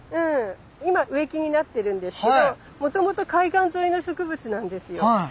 今植木になってるんですけどもともと海岸沿いの植物なんですよ。